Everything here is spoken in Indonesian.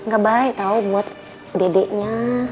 gak baik tau buat dedeknya